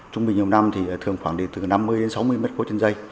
trung bình nhiều năm thì thường khoảng từ năm mươi sáu mươi m ba trên giây